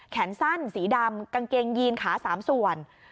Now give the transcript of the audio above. แขนสั้นสีดำกางเกงยีนขา๓ส่วน